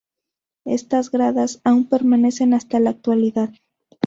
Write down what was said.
Estas gradas, aún permanecen hasta la actualidad.